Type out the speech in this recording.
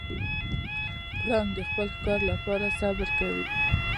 پړانګ د خپل ښکار لپاره صبر کوي.